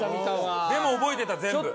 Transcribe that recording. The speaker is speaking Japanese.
でも覚えてた全部。